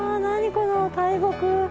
この大木。